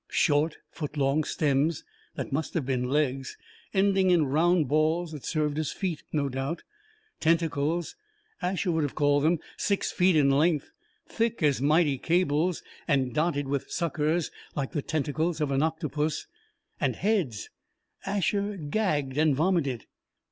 Short, foot long stems that must have been legs, ending in round balls that served as feet, no doubt. Tentacles, Asher would have called them, six feet in length, thick as mighty cables and dotted with suckers like the tentacles of an octopus. And heads Asher gagged and vomited!